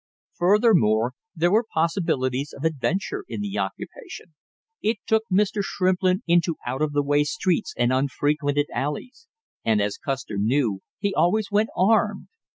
Furthermore, there were possibilities of adventure in the occupation; it took Mr. Shrimplin into out of the way streets and unfrequented alleys, and, as Custer knew, he always went armed.